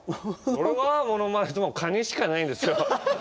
俺はモノマネってもうカニしかないんですよ。